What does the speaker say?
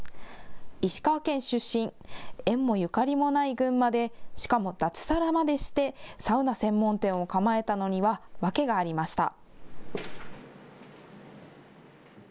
石川県出身、縁もゆかりもない群馬で、しかも脱サラまでしてサウナ専門店を構えたのには訳がありました。